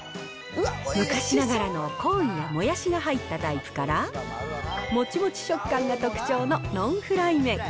昔ながらのコーンやモヤシが入ったタイプから、もちもち食感が特徴のノンフライ麺。